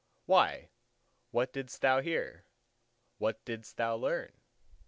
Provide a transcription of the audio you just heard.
Why, what didst thou hear, what didst thou learn?